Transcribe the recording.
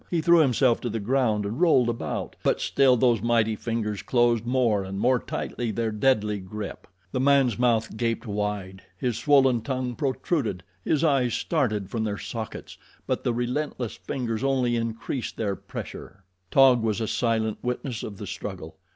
He threw himself to the ground and rolled about; but still those mighty fingers closed more and more tightly their deadly grip. The man's mouth gaped wide, his swollen tongue protruded, his eyes started from their sockets; but the relentless fingers only increased their pressure. Taug was a silent witness of the struggle.